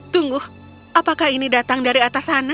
tunggu apakah ini datang dari atas sana